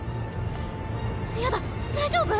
やだ大丈夫！？